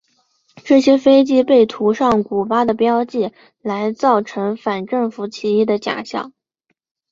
这些飞机被涂上古巴的标记来造成反政府起义的假象。